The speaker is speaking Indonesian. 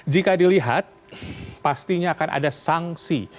jika dilihat pastinya akan ada sanksi